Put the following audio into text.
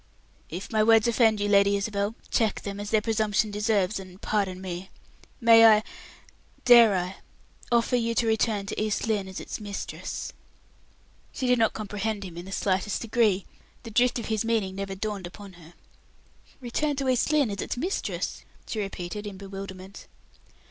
"If my words offend you, Lady Isabel, check them, as their presumption deserves, and pardon me. May I dare I offer you to return to East Lynne as its mistress?" She did not comprehend him in the slightest degree: the drift of his meaning never dawned upon her. "Return to East Lynne as its mistress?" she repeated, in bewilderment.